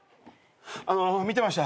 あの見てました。